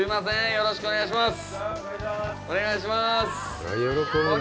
よろしくお願いします。